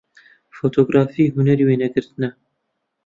فۆتۆگرافی هونەری وێنەگرتنە